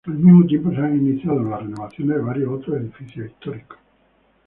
Al mismo tiempo se han iniciado las renovaciones de varios otros edificios históricos.